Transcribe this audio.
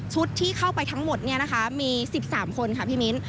ที่เข้าไปทั้งหมดมี๑๓คนค่ะพี่มิ้น